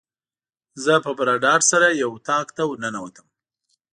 زه په پوره ډاډ سره یو اطاق ته ورننوتم.